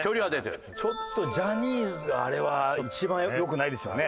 ちょっとジャニーズがあれは一番良くないですよね。